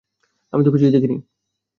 আমি তো কিছুই দেখিনি।